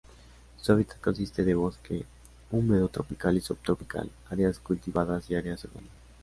Su hábitat consiste de bosque húmedo tropical y subtropical, áreas cultivadas y áreas urbanas.